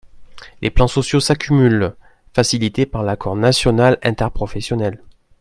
Les plans sociaux s’accumulent, facilités par l’accord national interprofessionnel.